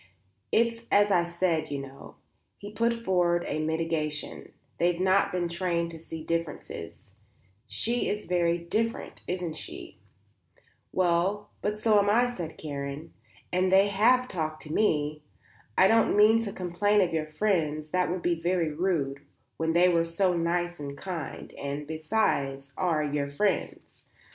"It's as I said, you know," he put forward a mitigation; "they've not been trained to see differences; she is very different, isn't she?" "Well, but so am I," said Karen, "and they talked to me. I don't mean to complain of your friends; that would be very rude when they were so nice and kind; and, besides, are your friends.